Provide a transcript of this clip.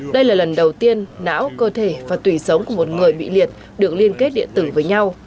đây là lần đầu tiên não cơ thể và tùy sống của một người bị liệt được liên kết điện tử với nhau